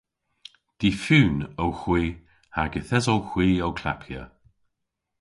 Difun owgh hwi hag yth esowgh hwi ow klappya.